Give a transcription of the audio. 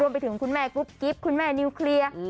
ไปถึงคุณแม่กรุ๊ปกิ๊บคุณแม่นิวเคลียร์